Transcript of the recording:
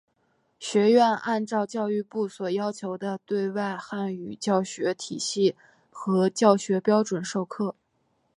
学院按照教育部所要求的对外汉语教学体系和教学标准授课。